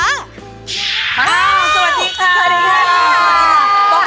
อ้าวสวัสดีค่ะสวัสดีครับค่ะ